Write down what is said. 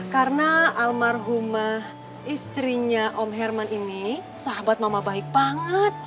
karena almarhumah istrinya om herman ini sahabat mama baik banget